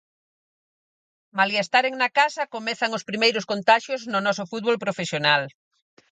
Malia estaren na casa, comezan os primeiros contaxios no noso fútbol profesional.